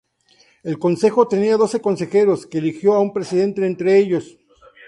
El Consejo tenía doce consejeros, que eligió a un presidente de entre ellos.